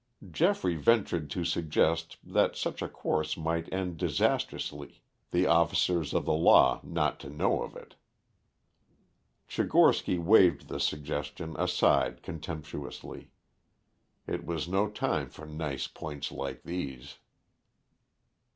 Geoffrey ventured to suggest that such a course might end disastrously, the officers of the law not to know of it. Tchigorsky waved the suggestion aside contemptuously. It was no time for nice points like these.